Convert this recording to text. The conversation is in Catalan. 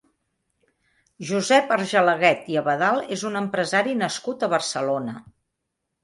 Josep Argelaguet i Abadal és un empresari nascut a Barcelona.